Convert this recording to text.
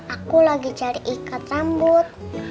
aku lagi cari ikat rambut